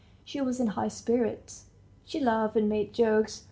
She was in high spirits; she laughed and made jokes.